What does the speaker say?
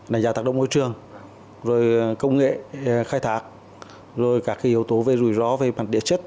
nảy giá tác động môi trường công nghệ khai thác các yếu tố về rủi rõ về mặt địa chất